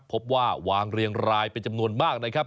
พบว่าวางเรียงรายเป็นจำนวนมากนะครับ